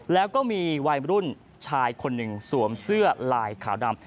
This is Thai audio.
แล้วก็มีวัยรุ่นชายคนหนึ่งสวมเสื้อลายขาวดำ